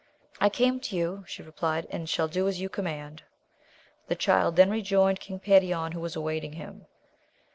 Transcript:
I came to you, she replied, and shall do as you command. The Child then rejoined King Perion, who was awaiting him.